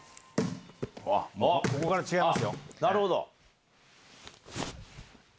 ここから違いますよ。